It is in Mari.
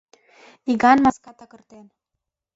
Иган маска такыртен.